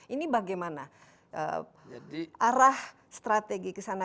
ini bagaimana arah strategi kesana